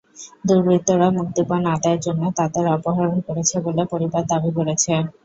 দুর্বৃত্তরা মুক্তিপণ আদায়ের জন্য তাঁদের অপহরণ করেছে বলে পরিবার দাবি করেছে।